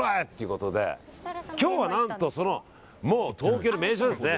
今日は何と東京の名所ですね。